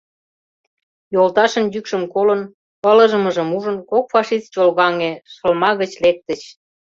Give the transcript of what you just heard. Йолташын йӱкшым колын, ылыжмыжым ужын, кок фашист чолгаҥе, шылма гыч лектыч.